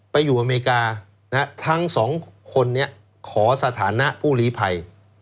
อยู่อเมริกาทั้งสองคนนี้ขอสถานะผู้ลีภัย